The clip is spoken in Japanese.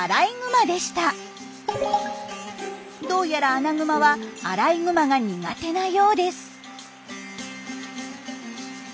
どうやらアナグマはアライグマが苦手なようです。